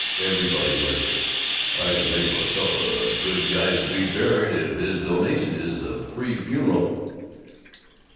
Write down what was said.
Everybody whispered, "I can think of a coupla good guys to be buried if his donation is a free funeral!"